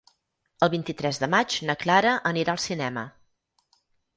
El vint-i-tres de maig na Clara anirà al cinema.